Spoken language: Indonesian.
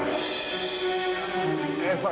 eva maksudnya dia